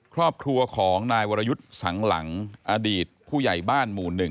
ครอบครัวของนายวรยุทธ์สังหลังอดีตผู้ใหญ่บ้านหมู่๑